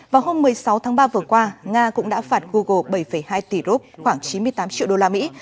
vào hôm một mươi sáu tháng ba vừa qua nga cũng đã phạt google bảy hai tỷ rốt khoảng chín mươi tám triệu đô la mỹ